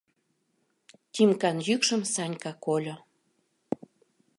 — Тимкан йӱкшым Санька кольо.